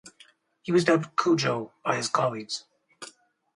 He was dubbed "Kujo" by his colleagues.